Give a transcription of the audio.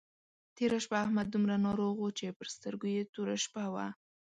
تېره شپه احمد دومره ناروغ وو چې پر سترګو يې توره شپه وه.